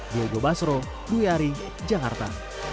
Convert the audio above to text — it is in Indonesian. diego basro duyari jakarta